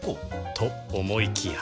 と思いきや